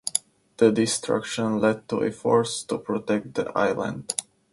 The destruction led to efforts to protect the island.